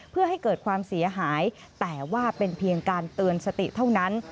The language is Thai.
เพื่อให้เกิดความเสียหายแต่ว่าเป็นเพียงการเตือนสติเท่านั้น